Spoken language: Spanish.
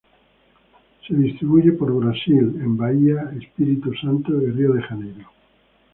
Se distribuye por Brasil en Bahia, Espírito Santo y Rio de Janeiro.